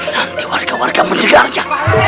nanti warga warga menjegarnya